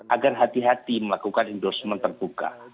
agar hati hati melakukan endorsement terbuka